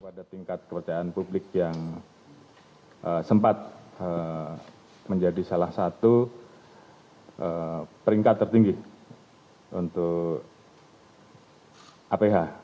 pada tingkat kepercayaan publik yang sempat menjadi salah satu peringkat tertinggi untuk aph